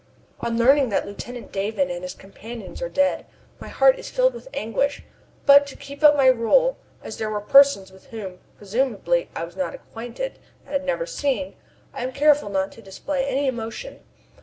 On learning that Lieutenant Davon and his companions are dead, my heart is filled with anguish; but to keep up my role as they were persons with whom, presumably, I was not acquainted, and had never seen I am careful not to display any emotion.